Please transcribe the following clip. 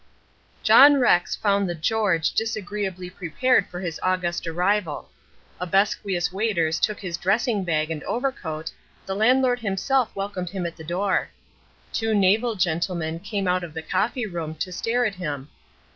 John Rex found the "George" disagreeably prepared for his august arrival. Obsequious waiters took his dressing bag and overcoat, the landlord himself welcomed him at the door. Two naval gentlemen came out of the coffee room to stare at him.